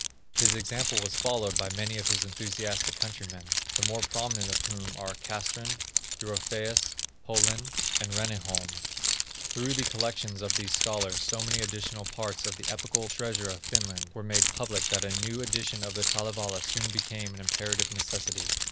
His example was followed by many of his enthusiastic countrymen, the more prominent of whom are Castrén, Europæus, Polén and Reniholm. Through the collections of these scholars so many additional parts of the epical treasure of Finland were made public that a new edition of the Kalevala soon became an imperative necessity.